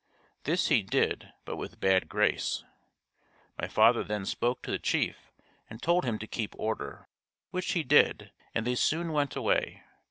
This he did but with bad grace. My father then spoke to the chief and told him to keep order, which he did, and they soon went away.